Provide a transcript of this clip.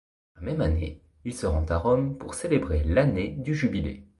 Dans la même année, il se rend à Rome pour célébrer l'année du jubilé.